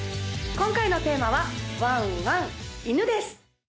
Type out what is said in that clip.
今回のテーマはワンワン「犬」です